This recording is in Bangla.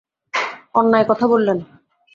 অন্যায় কথা বললেন।